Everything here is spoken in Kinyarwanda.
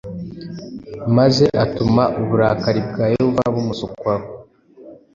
maze atuma uburakari bwa Yehova bumusukwaho.